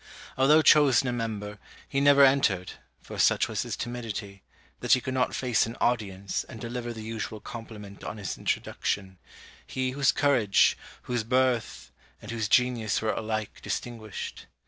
Although chosen a member, he never entered, for such was his timidity, that he could not face an audience and deliver the usual compliment on his introduction; he whose courage, whose birth, and whose genius were alike distinguished.